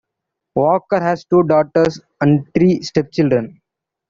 Walker has two daughters and three stepchildren.